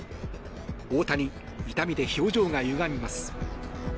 大谷、痛みで表情がゆがみます。